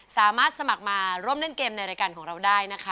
สามารถสมัครมาร่วมเล่นเกมในรายการของเราได้นะคะ